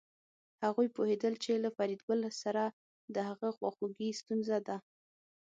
هغوی پوهېدل چې له فریدګل سره د هغه خواخوږي ستونزه ده